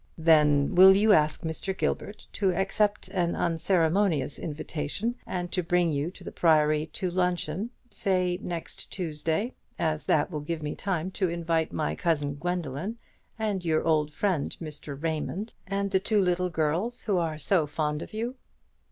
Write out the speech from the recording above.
"Then will you ask Mr. Gilbert to accept an unceremonious invitation, and to bring you to the Priory to luncheon, say next Tuesday, as that will give me time to invite my cousin Gwendoline, and your old friend Mr. Raymond, and the two little girls who are so fond of you?"